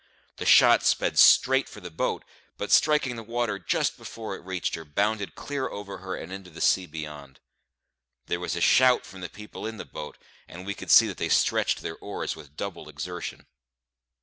The shot sped straight for the boat, but, striking the water just before it reached her, bounded clear over her and into the sea beyond. There was a shout from the people in the boat, and we could see that they stretched to their oars with doubled exertion.